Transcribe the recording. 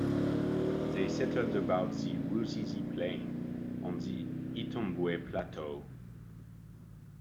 They settled above the Ruzizi Plain on the Itombwe Plateau.